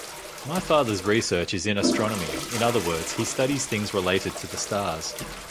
My father’s research is in astronomy, in other words, he studies things related to the stars